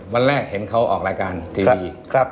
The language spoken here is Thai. วันแรกเห็นเขาออกรายการทีวี